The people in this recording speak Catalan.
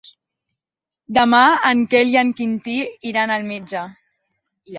Demà en Quel i en Quintí iran al metge.